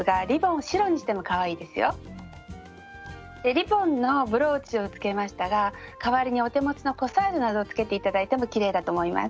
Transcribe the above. リボンのブローチをつけましたら代わりにお手持ちのコサージュなどをつけて頂いてもきれいだと思います。